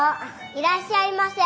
いらっしゃいませ！